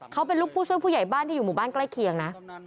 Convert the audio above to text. เขาเป็นลูกผู้ช่วยผู้ใหญ่บ้านที่อยู่หมู่บ้านใกล้เคียงนะ